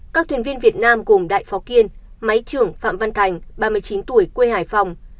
các thuyền viên việt nam gồm đại phó kiên máy trưởng phạm văn thành ba mươi chín tuổi quê hải phòng